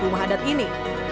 rumah adat ini